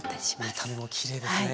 見た目もきれいですね。